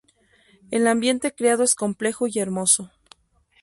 El ambiente creado es complejo y hermoso.